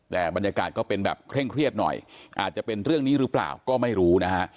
แต่บรรยากาศก็เป็นแบบเคร่งเครียดหน่อยอาจจะเป็นเรื่องนี้หรือเปล่าก็ไม่รู้นะฮะ